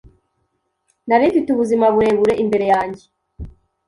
Nari mfite ubuzima burebure imbere yanjye